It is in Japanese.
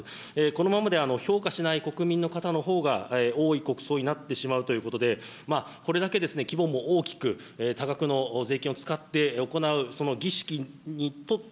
このままでは、評価しない国民の方のほうが多い国葬になってしまうということで、これだけ規模も大きく、多額の税金を使って行う、その儀式にとっ